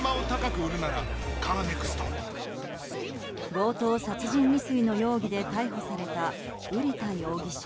強盗殺人未遂の容疑で逮捕された瓜田容疑者。